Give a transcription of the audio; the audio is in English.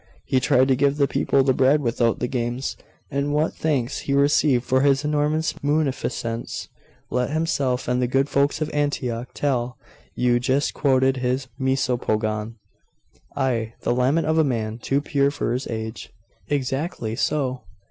He tried to give the people the bread without the games.... And what thanks he received for his enormous munificence, let himself and the good folks of Antioch tell you just quoted his Misopogon ' 'Ay the lament of a man too pure for his age.' 'Exactly so.